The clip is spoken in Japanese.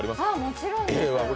もちろんです。